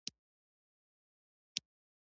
لکه د جنګ لپاره چې یې منو او ورته تیاری نیسو.